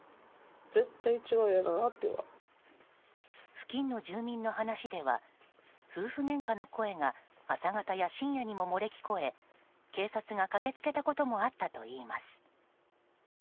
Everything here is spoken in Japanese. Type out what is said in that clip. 付近の住民の話では夫婦げんかの声が朝方や深夜にも漏れ聞こえ警察が駆け付けたこともあったといいます。